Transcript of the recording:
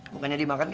bukannya dimakan gak